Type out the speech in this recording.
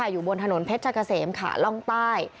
อยู่บนถนนเพชรกะเสมขาล่องใต้